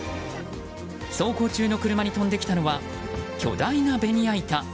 走行中の車に飛んできたのは巨大なベニヤ板。